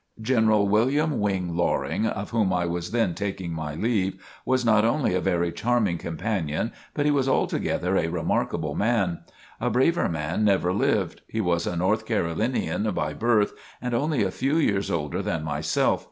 General William Wing Loring, of whom I was then taking my leave, was not only a very charming companion but he was altogether a remarkable man. A braver man never lived. He was a North Carolinian by birth, and only a few years older than myself.